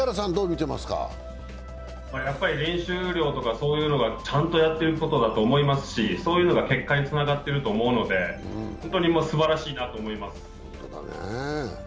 練習量とかそういうのがちゃんとやってることだと思いますしそういうのが結果につながっているんだと思いますので本当にすばらしいなと思います。